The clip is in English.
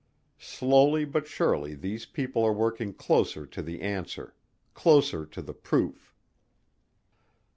Slowly but surely these people are working closer to the answer closer to the proof.